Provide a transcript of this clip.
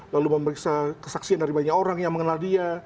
lalu memeriksa kesaksian dari banyak orang yang mengenal dia